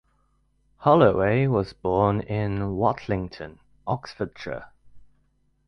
Holloway was born in Watlington, Oxfordshire.